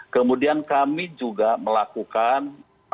kemudian kami juga melakukan